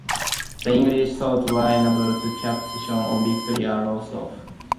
The English, though, were unable to capitalise on victory at Lowestoft.